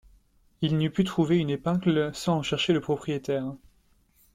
Il n’eût pu trouver une épingle sans en chercher le propriétaire.